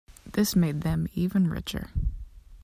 This made them even richer.